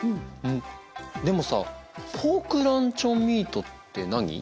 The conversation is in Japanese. んっでもさポークランチョンミートって何？